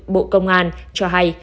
bộ công an cho hay